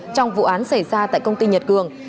trong vụ án xảy ra tại công ty nhật cường